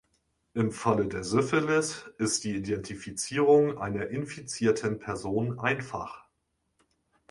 Im Falle der Syphilis ist die Identifizierung einer infizierten Person einfach.